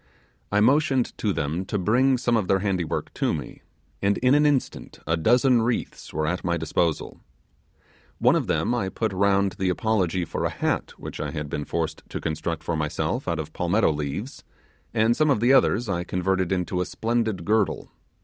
I motioned to them to bring some of their handywork to me; and in an instant a dozen wreaths were at my disposal. One of them I put round the apology for a hat which I had been forced to construct for myself out of palmetto leaves, and some of the others I converted into a splendid girdle.